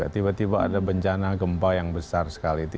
tiba tiba ada bencana gempa yang besar sekali